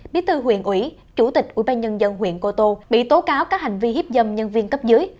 bí thư huyện ủy chủ tịch ủy ban nhân dân huyện cô tô bị tố cáo các hành vi hiếp dâm nhân viên cấp dưới